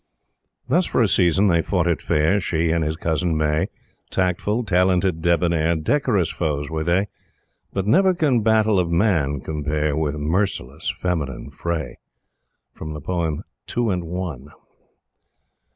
Thus, for a season, they fought it fair She and his cousin May Tactful, talented, debonnaire, Decorous foes were they; But never can battle of man compare With merciless feminine fray. Two and One.